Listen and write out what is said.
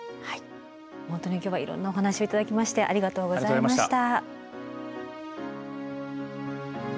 本当に今日はいろんなお話を頂きましてありがとうございました。